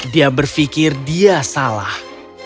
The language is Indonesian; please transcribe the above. dia berpikir dia salah